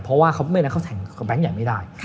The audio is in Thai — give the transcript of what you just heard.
เพราะว่าเขาไม่ได้แถงกับแบงค์ใหญ่ไม่ได้